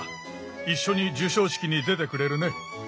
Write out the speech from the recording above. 一緒に授賞式に出てくれるね？